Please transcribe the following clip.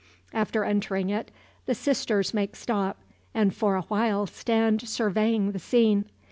After entering it, the sisters make stop, and for a while stand surveying the scene.